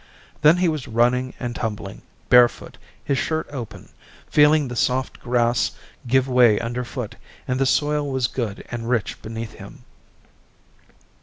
Then he was running and tumbling, barefoot, his shirt open, feeling the soft grass give way underfoot and the soil was good and rich beneath him.